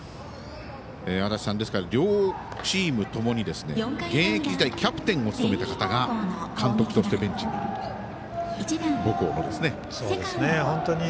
足達さん、両チームともに現役時代キャプテンを務めた方が監督としてベンチにいると。